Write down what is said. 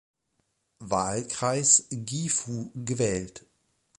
Wahlkreis Gifu gewählt.